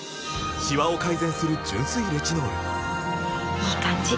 いい感じ！